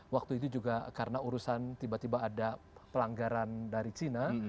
waktu itu juga karena urusan tiba tiba ada pelanggaran dari cina